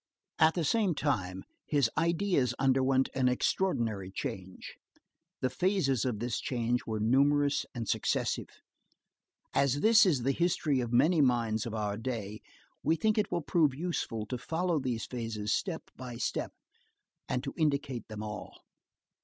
At the same time, his ideas underwent an extraordinary change. The phases of this change were numerous and successive. As this is the history of many minds of our day, we think it will prove useful to follow these phases step by step and to indicate them all.